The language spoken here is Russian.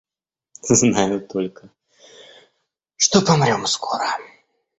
Знаю только, что помрем скоро.